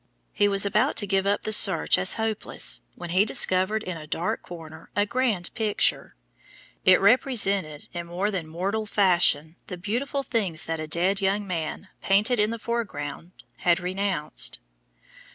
He was about to give up the search as hopeless, when he discovered in a dark corner a grand picture. It represented in more than mortal fashion the beautiful things that a dead young man, painted in the foreground, had renounced.